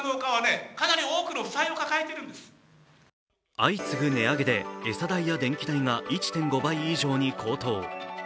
相次ぐ値上げで餌代や電気代が１．５倍以上に高騰。